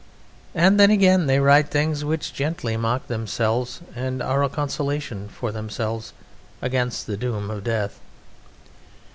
And then again they write things which gently mock themselves and are a consolation for themselves against the doom of death."